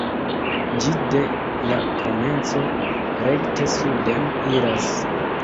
Ĝi de la komenco rekte suden iras.